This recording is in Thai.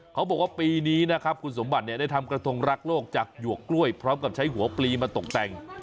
เขาบอกว่าปีนี้นะครับคุณสมบัติได้ทำกระทงรักโลกจากหยวกกล้วยพร้อมกับใช้หัวปลีมาตกแต่ง